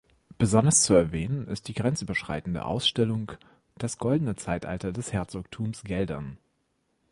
Besonders zu erwähnen ist die grenzüberschreitende Ausstellung „Das Goldene Zeitalter des Herzogtums Geldern.